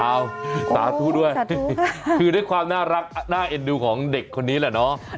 อ้าวสาธุด้วยคือด้วยความน่ารักน่าเอ็ดดูของเด็กคนนี้แหละเนอะโอ้โฮสาธุค่ะ